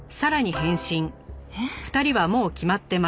えっ？